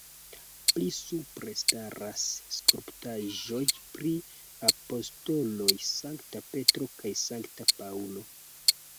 Pli supre staras skulptaĵoj pri apostoloj Sankta Petro kaj Sankta Paŭlo.